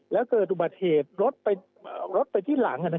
แล้วเกิดอุบัติเหตุรถไปที่หลัง